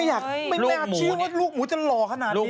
อยากไม่น่าเชื่อว่าลูกหมูจะหล่อขนาดนี้